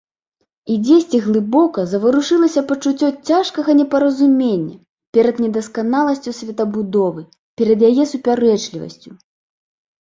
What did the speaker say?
І дзесьці глыбока заварушылася пачуццё цяжкага непаразумення перад недасканаласцю светабудовы, перад яе супярэчлівасцю.